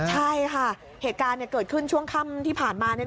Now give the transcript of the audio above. ใช่ค่ะเหตุการณ์เกิดขึ้นช่วงค่ำที่ผ่านมา